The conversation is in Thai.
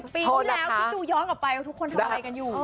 ปีที่แล้วคิดดูย้อนกลับไปว่าทุกคนทำอะไรกันอยู่